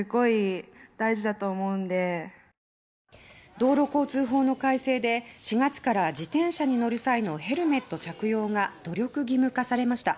道路交通法の改正で４月から自転車に乗る際のヘルメット着用が努力義務化されました。